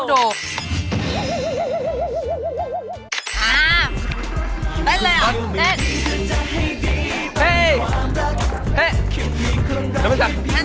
เด้นเลยอ่ะเด้น